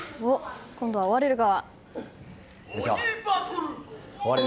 今度は追われる側。